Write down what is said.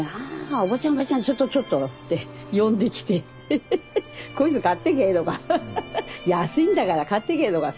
おばちゃんちょっとちょっと」って呼んできて「こいつ買ってけ」とか「安いんだから買ってけ」とかさ。